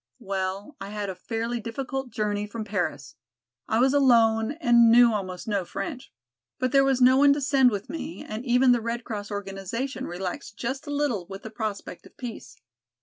Well, I had a fairly difficult journey from Paris. I was alone and know almost no French. But there was no one to send with me and even the Red Cross organization relaxed just a little with the prospect of peace.